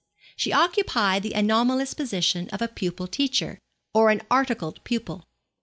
She occupied the anomalous position of a pupil teacher, or an articled pupil.